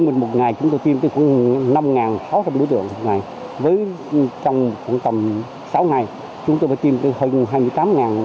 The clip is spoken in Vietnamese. đà nẵng có khoảng tám đối tượng